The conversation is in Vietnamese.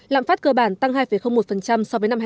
lạm phát cơ bản tăng hai một so với năm hai nghìn một mươi